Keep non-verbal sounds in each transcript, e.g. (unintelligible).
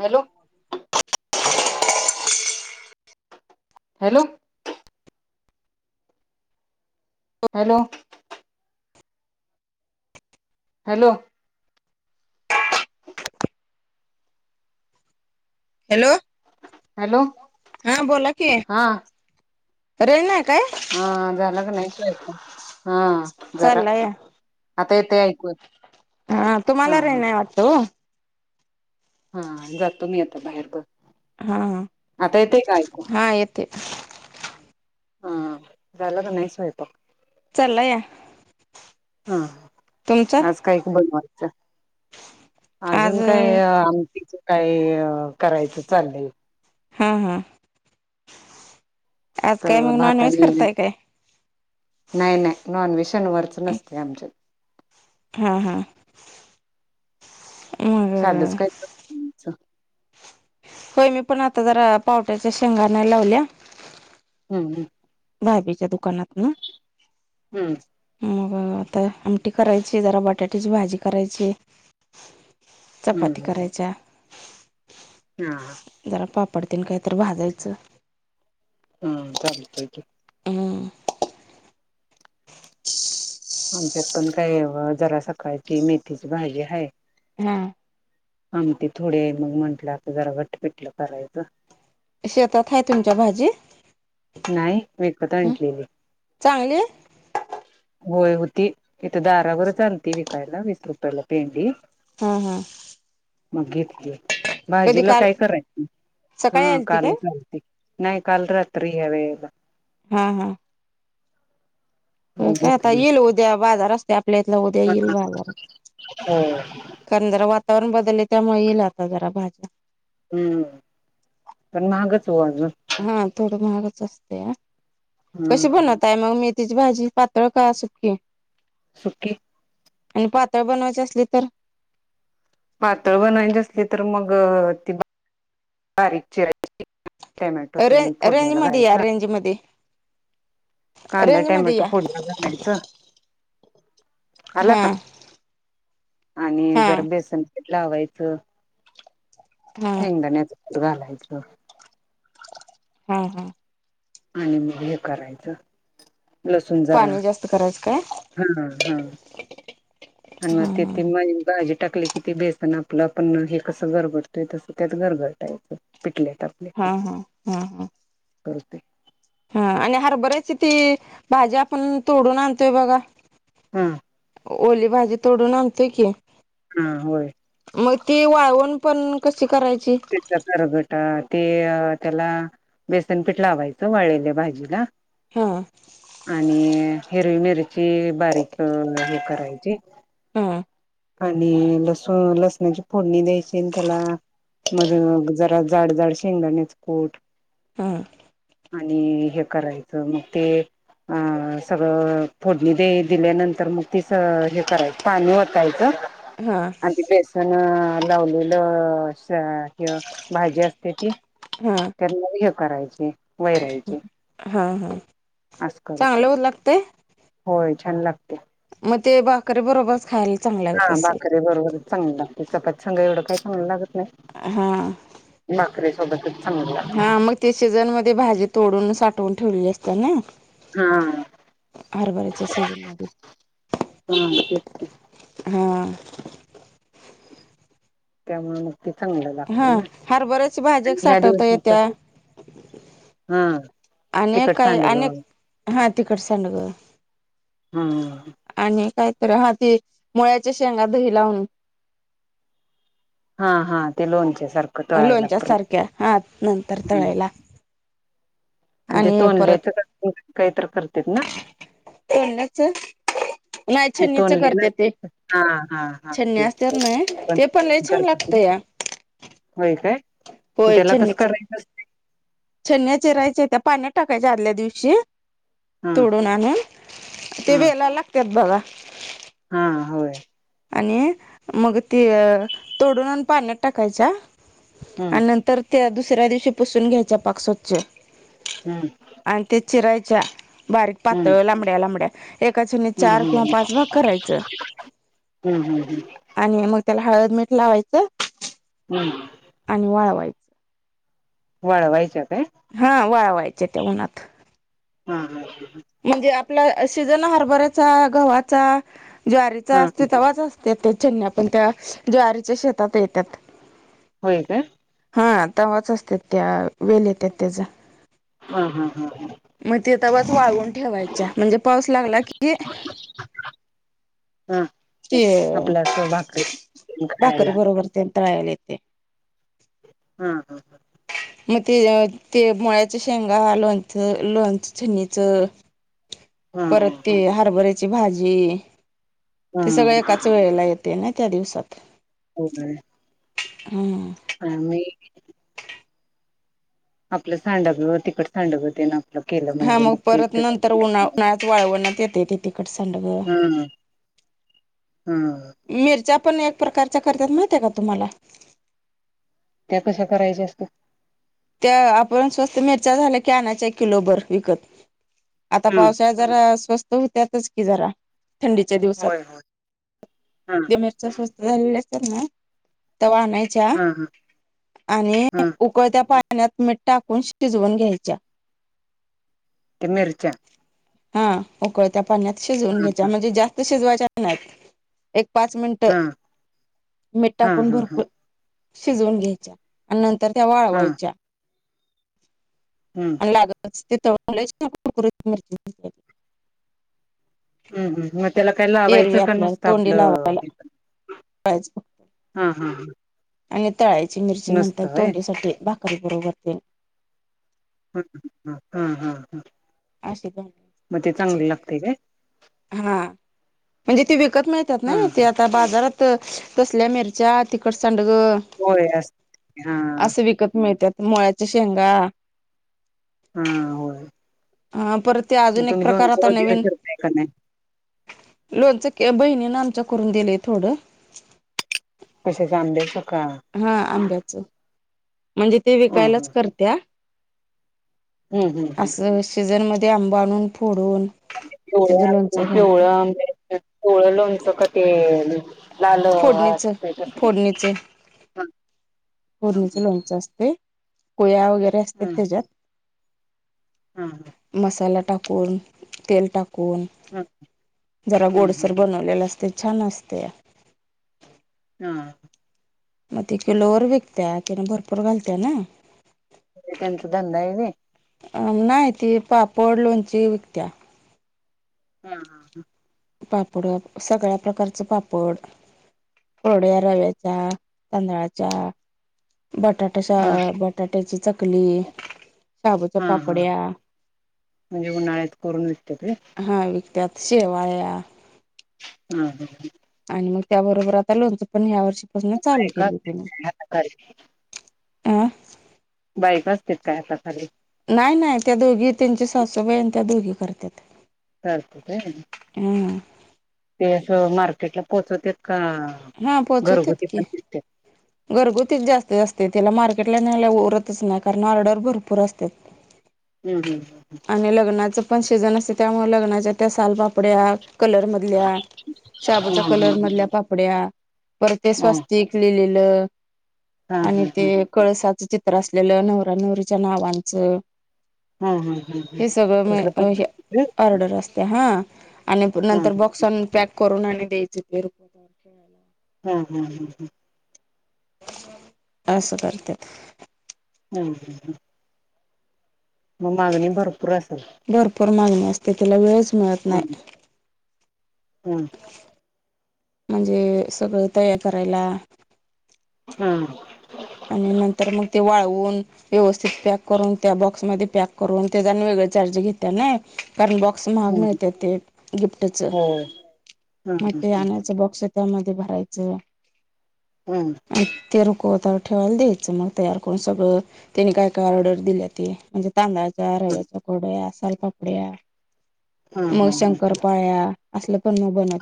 Hello hello hello hello hello hello हा बोला कि हा रेना काय हा जलाग नैस येत हह जरा चालला या आता येथे ऐकत हा तुम्हालारेनवत हा जातो मी आता बाहेर बघ हा ऐकू हा येते हा झाला कि नाही सयंपाक चालाया. हा. आज काही बनवचायचं आज अजून काय आमटीच काय करायचं चाललल. हा... हा... आज फक्त काय मग नॉनव्हेज भातानी. करताय काय नाही नाही.. नॉन-व्हेज शनिवार चं नसत आमच्यात. हा.. हा.. मग चालूच काहीतरी ह्यांचं. होय मी पण आता जरा पावड्याच्या शेंगा आणायला लावल्या. ह्म्म्म.. ह्म्म्म.. भाजीचा दुकानातन. हम्म. मग आता आमटी करायची. जरा बटाट्याची भाजी करायची. हम्म चपाती हम्म करायच्या. हा. पटकीन काहीतर भाजायचं. हम्. चालतंय की. ह्म्म्म. आमच्यात पण काय जरा सकाळची मेथीची भाजी हाय. हा. आमटी ते थोडे आहे मग म्हटलं आता जरा वट पेटलं करायचं. शेतात आहे तुमच्या भाजी. नाही विकत आणलेली. चांगली होय होती. इथे दारावरच आलती विकायला. वीस रुपयाला पेंडी. हम्म. हम्. मग घेतली. भाजीला काय करायचं. सकाळी हा आलती काय कालच अलती. नाही काल रात्री. तरी ह्या वेळेला. हा हा. मग हो काय आता. घेतली येल उद्या बाजार असतोय. आपल्यात इथला उद्या येईल हो बाजारात. वातावरण बदलले त्यामुळे येईल आता जरा भाज्या. हम्म पण महागच हो अजून. हा थोडं महागच असतया. कशी हम्म बनतंय मग मेथी. भाजी पातळ का सुकी? सुखी. आणि पातळ बनवायचे असलली तर पातळ बनवायची असली तर मग ती बारीक चिरायची. टोमॅटो ते रेंज रेंज फोडणीला मध्ये या घालायचा. रेंज मध्ये कांदा रेंज मध्ये टोमॅटो या फोडणीला घालायचं. आला हा. का आणि हा जरा बेसन पीठ लावायचं हा शेंगण्याच. कुट घालायचं. हा हा. आणि मग हे करायचं. लसुण जरा पाणी जास्त करायचं काय हा हा. हा अन् ते (unintelligible) भाजीत. टाकले कि ते बेसन आपलं आपण हे कसं गरगडतोय तसं त्यात गरघटायचं पिटल्यात. आपले हा.. हा.. हा हम करते. हा आणि हरभर्याच ती भाजी आपण तोडून आणतोय बघा. हम्. ओली भाजी तोडून आणतोय की हा होय. मग ती वाळवण पण कशी करायची. तेच्या कररबेटा ते त्याला बेसनपीठ लावायचं वळल्या भाजीला हा आणि हे. ह मिरची बारीक हे करायची. हा आणि लसूण लसणाची फोडणी द्यायची त्याला मग जरा जाड जाड शेंगदाणेच कूट हा. आणि हे करायचं मग ते अ सगळं फोडणी दे दिल्यानंतर मग तीच हे कराय पाणी यत हा अ बेस लावलेलं भाजी असते ती हा त्यांना हे करायचे वैरायचे हा हा असं करतोय चांगलं होत लागतय होय छान लागते मग ते बाकरी बरोबरच खायला चांगल हा लागत असेल. भाकरीे बरोबरच चांगली लागते चपातघा एवढं काय चांगलं लागत हा सभ हा मग ते सीजन मध्ये भाजी तोडून साठवून ठेवली असत ना हा हा हरबरीचे सीझन मग हा तेच हा त्यामुळे मग ते चांगलं हा लागते ना हरभऱ्याची भाजी एक ह्या साठवता दिवसात येत्या हम्म अनेक काय अनेक हा तिकड सडग हम्म तर हा ती मुळ्याच्या शेंगा दही लावून हा हा ते लोनचे लोणच्या सारख्या हा नंतर तळायला आणि ते हे परत तोंडल्याच काहीत करतेत ना नाही ते छनणीच तोंडले ना करते ते हा हा हा छन्णी ते असत ना पण ते पन लई छान करते लागतेय का होय काय त्याला कसं करायचस छन्या चिरायच्या त्या पाण्यात टाकायच्या आदल्या दिवशी हा तोडून आणून ते हा वेला लागतात बघा हा होय आणि मग ती तोडून आण पाण्यात टाकायच्या हम्म आणि नंतर त्या दुसऱ्या दिवशी पुसून घ्यायचा पाक स्वच्छ हम्म आणि ते चिरायच्या बारीक हम्म पातळ लांबड्या लांबड्या एका णी हम्म चार किंवा हम्म पाच भाग करायचं हम्म हम् हम् आणि मग त्याला हळद मीठ लावायचं हम्म आणि वाळवायचं वाड वयच हा वाळवायचे ते उन्हत हम् हम म्हणजे आपला सिजन हरभऱ्याचा, गव्हाचा, ज्वारीचा हा असतोय तेव्हाच अस तेथे चन्या पण त्या ज्वारीच्या शेतात येतात होय काय? हा तवाच असत्यात त्या वेल येत्यात तेच हा-हा-हा.. तवाच वाळून ठेवायच्या म्हणजे पाऊस लागला की हा ते आपलं असं भाकरी भाकर खायला बरोबर तेन तळायला येतय हा-हा-हा.. मग ते- ते मुळ्याच्या शेंगा लोंणचं- लोंणचं (inaudible) णीचं हा परत हा ते हरभऱ्याची भाजी ते सगळं हा एकाच वेळेला येत ते ना त्या दिवसात होय हम्म आम्ही आपलं सांडग तिखट सांडग तेंन हा मग परत नंतर उन्हा उन्हाळ्यात वाळवण्यात येतय ते. तिखट सांडग, हा हा मिरच्या पण एक प्रकारच्या करतात माहीतेय काय तुम्हाला? त्या कशा करायच्या असतय? त्या आपण स्वस्त मिरच्या झाल्या की, आणायच्या एक किलो बर विकत. आता हम्म पावसाळ्यात जरा स्वस्त हुत्यातच कि जरा थंडीच्या दिवसात. होय होय हा ज्या मिरच्या स्वस्त झालेले असतात ना तवा आणायच्या हा हा आणि हा उकळत्या पाण ण्यात मीठ टाकून शिजवून घ्यायच्या ते मिरच्या? हा. उकळत्या पाण्यात शिजवून हा घ्यायच्या हा म्हणजे, जास्त शिजवायच्या नाहीत एक पाच मिनटं हा मीट हा टाकून हा हा भरपूर शिजवून घ्यायच्या आणि नंतर त्या हा वाळवायच्या. हम्म आणि लागलच ते (unintelligible) हम्म हम्म. म त्याला काय लावायचं एरवी का आपल्याला नुसतं तोंडी आपलं लावायला हम्म (unintelligible) हम्म. आणि तळायची मिरची नंतर तोंडीसाठी भाकरी बरोबर तेन (unintelligible) हा हा हा. अस (unintelligible) मग ते चे चांगलं लागतय काय? हा म्हणजे ते विकत मिळत्यात ना? हा ते हा आता बाजारात तसल्या मिरच्या तिखट सांड ळ होय असतय हा अस विकत मिळत्यात मळ्याच्या शेंगा हा होय. हा परत ते मग अजून एक तुम्ही प्रकार लोणचं आता वगैरे नवीन करताय का नाही? लोणचं ते बहिणीनंं आमच्या करून दिलंय थोडं. कश्याचं आंब्याचं? का हा आंब्याच. म्हणजे ते हं हं विकायलाच करत्या हं हं हं असं सीझन मध्ये आंब आणून फोडून त्याचं पिवळ्या, लोणचं घालत्या पिवळ्या आंब्याचं पिवळं लोणचं का? ते लाल फोडणीचं असतय काय ते? फोडणीच लोणचं असतय, कोया वगैरे असत्यात हं हं तेज्यात. हं मसाला टाकून तेल टाक कुन हं हं जरा हं हं गोडसर हं बनवलेलं असतय छान असतया. हा. मग ते किलो वर विकत्या तिनं भरपूर घालत्या नाई. तेे त्यांचा धंदा हाय व्हय. अं नाय ती पापड लोणची विकत्या. हा हा हं. पापड अ सगळ्या प्रकारचं पापड थोड्या रव्याच्या तांदळाच्या बटाटा शा हं हं बटाट्याची चकली, शाबूच्या हं हं पापड्या म्हणजे उन्हाळ्यात करून विकत्यात वय? हा विकत्यात शेवाळ्या हम्म हम्म हम्म. मग त्या बरोबर आता लोनच पण ह्या वर्षीपासनं चालू बायका केली असत्यात तिन. काय हाताखाली आ बायका असतेत काय हाता खाली? नाही नाही त्या दोघी त्यांच्या सासूबाई अन त्या दोघी करत्यात. करतते व्हयं ते अस मार्केटला पोहोचवतेत का हा पोहोचवतात घरगुती की पण विकत्येत घरगुतीच जास्त असते तिला मार्केटला न्यायला उरतच नाही कारण ऑर्डर भरपूर असत्यात हम्म हम्म हम् ह पण सेजन असते त्यामुळे लग्नाच्या त्या सालपापड्या कलर मधल्या शाबूच्या हं कलर हं हं मधल्या पापड्या पर ते हं स्वास्तिक लिहिलेले. अ हं आणि हं हं ते कळसाच चित त्र असलेलं नवऱ्या नवरीच्या नावांचं हा हा हा ह हे सगळं तसलं म-म पण आर्डर असत. ते हा आणि हा नंतर बॉक्स आणून पॅक करून आणि द्यायचे ते रुकवतात ठेवायला. हम् हम्म हम् हम् असं करत्यात हम् हम ह मग मागणी भरपूर असेल भरपूर मागणी असते तिला वेळच मिळत नाय हम हम म्हणजे सगळं तयार करायला हम् आणि नंतर मग ते वाळवून व्यवस्थित पॅक करून त्या बॉक्समध्ये पॅक करून ते ज आणी वेगळ चारज घेत्या नाय कारण बॉक्स महाग हम मिळत्यात ते गिफ्टच हो हम मग ते आणायच बॉक्स त्यामध्ये भरायचं हम्म (unintelligible) ठेवायला द्यायचं मग तयार करून सगळं त्यानी काय काय ऑर्डर दिली त म्हणजे तांदळा रव्याच्या कुरड्या सालपापड्या हम मग शंकर पाळ्या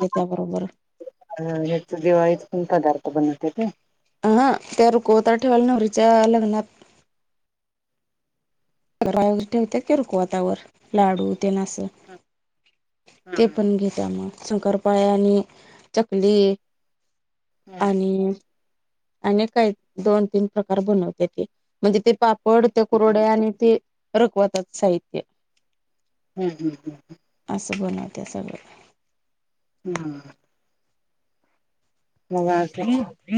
हा हेेत दिवाळीत पण पदार्थ बनवतेत अ हा त्या रुकवतात ठेवाल्या नवहरीच्या लग्नात घरा वगैरे ठेवते की रुकवातावर लाडू ते ना अस ते हम्म पण घेत्या मग शंकरपाळ आणि चकली आणि आणि काही दोन तीन प्रकार बनवते ते म्हणजे ते पा पडते कुरवडया आणि ते रकवतच साहित्य हम्म हम्म हम् अस बनवत्या सगळ ना हा (unintelligible)